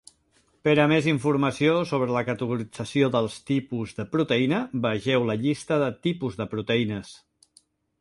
Per a més informació sobre la categorització dels "tipus" de proteïna, vegeu la Llista de tipus de proteïnes.